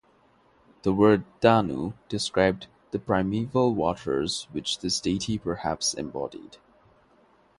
The word Danu described the primeval waters which this deity perhaps embodied.